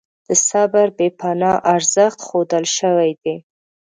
د صبر بې پناه ارزښت ښودل شوی دی.